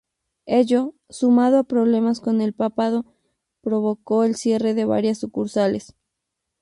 Ello, sumado a problemas con el papado provocó el cierre de varias sucursales.